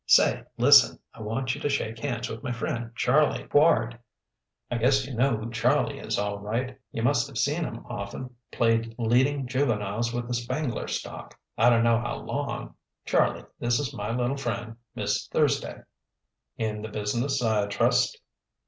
Say, lis'n: I want you to shake hands with my friend, Charlie Quard. I guess you know who Charlie is, all right; you must of seen him of'n played leading juveniles with the Spangler Stock, I dunno how long. Charlie, this is my little friend, Miss Thursday." "In the business, I trust?"